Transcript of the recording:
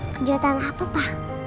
kejutan apa pa